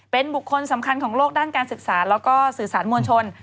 เป็นบุคคลสำคัญของโลกด้านการศึกษาแล้วก็สื่อสารมวลชน